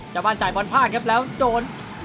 จะว่านจ่ายบอลพลาดครับแล้วโจร